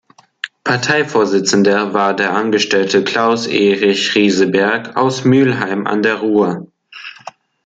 Parteivorsitzender war der Angestellte Klaus-Erich Rieseberg aus Mülheim an der Ruhr.